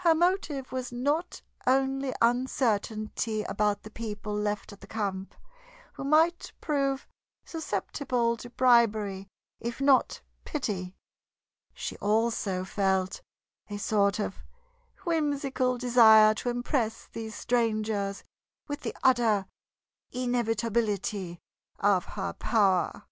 Her motive was not only uncertainty about the people left at the camp, who might prove susceptible to bribery if not pity; she also felt a sort of whimsical desire to impress these strangers with the utter inevitability of her power.